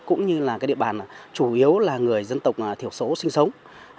cũng như địa bàn chủ yếu là người dân tộc thiểu số sinh sống